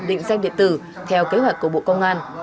định danh điện tử theo kế hoạch của bộ công an